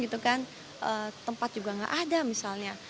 tempat juga nggak ada misalnya